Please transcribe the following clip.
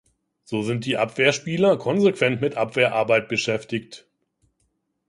So sind die Abwehrspieler konsequent mit Abwehrarbeit beschäftigt.